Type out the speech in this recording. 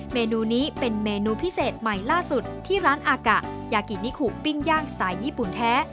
เมนูนี้เป็นเมนูพิเศษใหม่ล่าสุดที่ร้านอากะยากินิคุปิ้งย่างสไตล์ญี่ปุ่นแท้